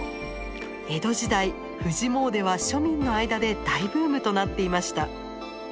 江戸時代富士詣では庶民の間で大ブームとなっていました。